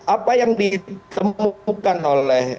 apa yang ditemukan oleh